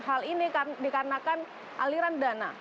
hal ini dikarenakan aliran dana